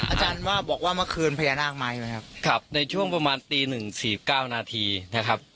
อาจารย์ว่าบอกว่าเมื่อคืนพญานาคมาใช่ไหมครับครับในช่วงประมาณตีหนึ่งสี่สิบเก้านาทีนะครับ